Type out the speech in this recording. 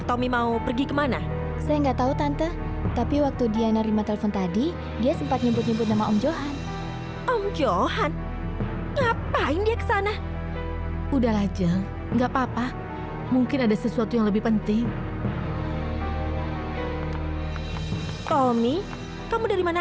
sampai jumpa di video selanjutnya